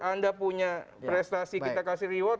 anda punya prestasi kita kasih reward